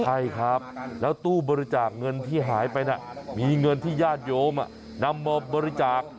ใช่ครับแล้วตู้บริจาคเงินที่หายไปน่ะมีเงินที่ญาติโยมนำมาบริจาค